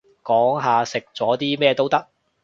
講下食咗啲咩都得